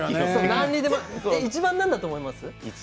いちばん何だと思いますか。